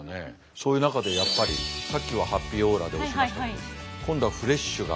そういう中でやっぱりさっきはハッピーオーラで押しましたけど今度はフレッシュが。